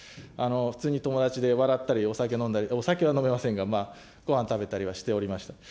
普通に友達で笑ったりお酒飲んだり、お酒は飲めませんが、ごはん食べたりはしておりました。